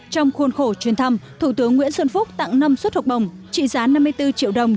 trong khuôn khổ chuyên thăm thủ tướng nguyễn xuân phúc tặng năm xuất học bồng trị giá năm mươi bốn triệu đồng